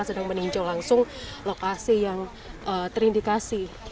sedang meninjau langsung lokasi yang terindikasi